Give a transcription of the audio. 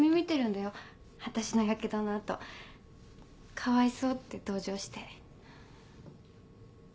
かわいそうって同情して。